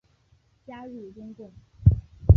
加入中共。